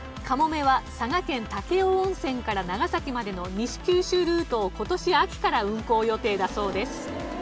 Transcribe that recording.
かもめは佐賀県武雄温泉から長崎までの西九州ルートを今年秋から運行予定だそうです。